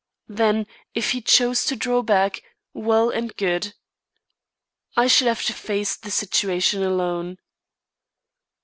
Then, if he chose to draw back, well and good. I should have to face the situation alone.